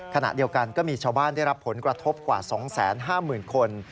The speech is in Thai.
ขณะเดียวกันก็มีชาวบ้านได้รับผลกระทบกว่า๒๕๐๐๐คน